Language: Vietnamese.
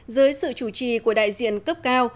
dưới sự chủ trì của đại diện cấp cao